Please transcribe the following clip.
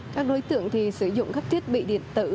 các đối tượng thì sử dụng các thiết bị điện tử